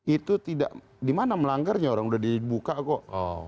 itu tidak di mana melanggarnya orang udah dibuka kok